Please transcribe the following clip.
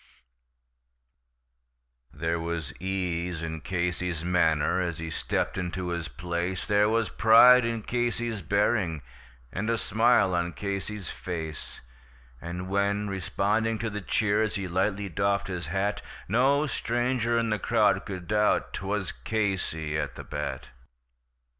There was ease in Casey's manner as he stepped into his place, There was pride in Casey's bearing, and a smile on Casey's face; And when, responding to the cheers, he lightly doffed his hat, No stranger in the crowd could doubt 'twas Casey at the bat.